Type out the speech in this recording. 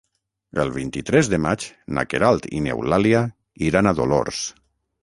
El vint-i-tres de maig na Queralt i n'Eulàlia iran a Dolors.